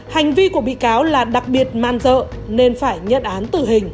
hành vi của bị cáo là đặc biệt man dợ nên phải nhận án tử hình